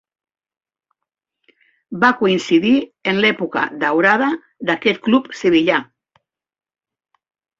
Va coincidir en l'època daurada d'aquest club sevillà.